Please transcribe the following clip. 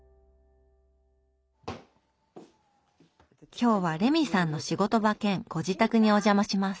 今日はレミさんの仕事場兼ご自宅にお邪魔します。